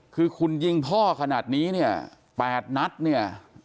คือคุณยิงพ่อขนาดนี้เนี่ย๘นัดเนี่ย